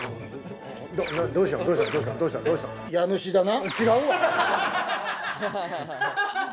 家主だな。